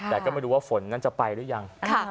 แต่ก็ไม่รู้ว่าฝนนั้นจะไปหรือยัง